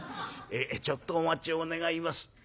ちょっとお待ちを願います。